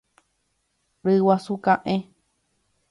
Ryguasu ka'ẽ.